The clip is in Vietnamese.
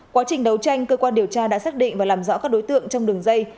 quá trình đấu tranh cơ quan điều tra đã xác định và làm rõ các đối tượng trong đường dây